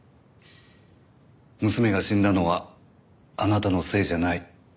娘が死んだのはあなたのせいじゃない。